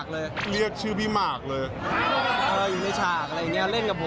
คือเลือกไม่ได้อยู่แล้วต้องลองเขาขอ